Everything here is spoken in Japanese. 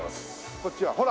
こっちはほら！